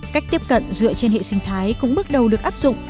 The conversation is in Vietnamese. cách tiếp cận dựa trên hệ sinh thái cũng bước đầu được áp dụng